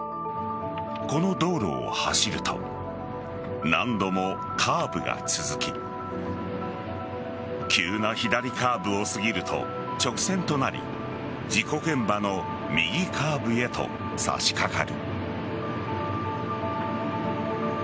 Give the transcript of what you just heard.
この道路を走ると何度もカーブが続き急な左カーブを過ぎると直線となり事故現場の右カーブへとさしかかる。